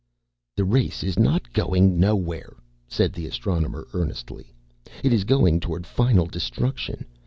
"The race is not going nowhere," said the Astronomer, earnestly. "It is going toward final destruction.